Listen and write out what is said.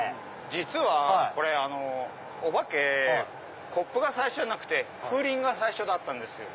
実はこれお化けコップが最初じゃなくて風鈴が最初だったんですよ。